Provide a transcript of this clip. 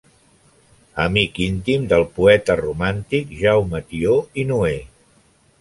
Amic íntim del poeta romàntic Jaume Tió i Noè.